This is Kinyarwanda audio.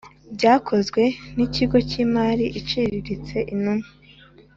byakozwe n ikigo cy imari iciriritse intumwa